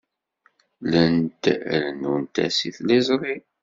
Llant rennunt-as i tliẓri.